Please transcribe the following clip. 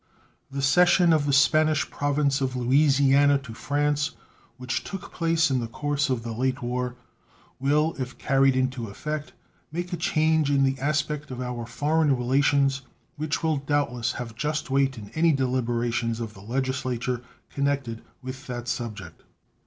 The cession of the Spanish Province of Louisiana to France, which took place in the course of the late war, will, if carried into effect, make a change in the aspect of our foreign relations which will doubtless have just weight in any deliberations of the Legislature connected with that subject.